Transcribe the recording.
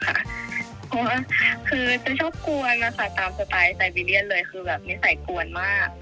เพราะว่าคือจะชอบกวนนะคะตามสไตล์ไซบีเรียนเลยคือแบบนิสัยกวนมาก